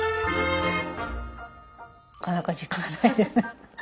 なかなか時間がないですフフフ。